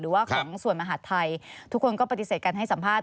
หรือว่าของส่วนมหาดไทยทุกคนก็ปฏิเสธการให้สัมภาษณ